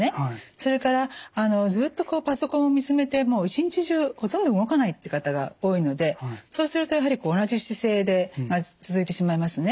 それからずっとパソコンを見つめてもう一日中ほとんど動かないって方が多いのでそうするとやはり同じ姿勢で続いてしまいますね。